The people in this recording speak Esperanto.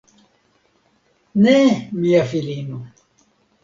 Ne, mia filino!